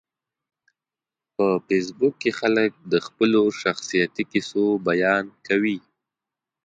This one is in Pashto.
په فېسبوک کې خلک د خپلو شخصیتي کیسو بیان کوي